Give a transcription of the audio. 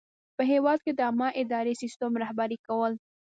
په هیواد کې د عامه اداري سیسټم رهبري کول.